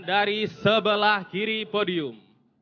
dari sebelah kiri podium